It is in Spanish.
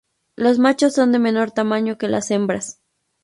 Los machos son de menor tamaño que las hembras.